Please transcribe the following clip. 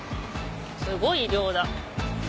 すごい量だ。